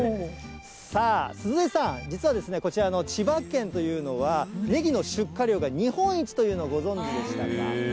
さあ、鈴江さん、実はこちら、千葉県というのは、ねぎの出荷量が日本一というのをご存じでしたか？